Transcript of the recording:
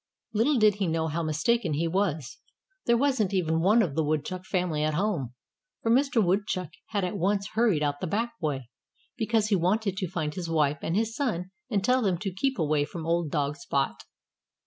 Little did he know how mistaken he was. There wasn't even one of the Woodchuck family at home; for Mr. Woodchuck had at once hurried out the back way, because he wanted to find his wife and his son and tell them to keep away from old dog Spot.